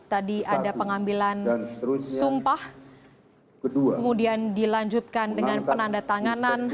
tadi ada pengambilan sumpah kemudian dilanjutkan dengan penanda tanganan